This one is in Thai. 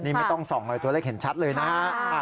นี่ไม่ต้องส่องเลยตัวเลขเห็นชัดเลยนะฮะ